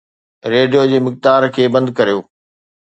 radio جي مقدار کي بند ڪريو